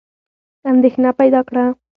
اندېښنه پیدا کړه.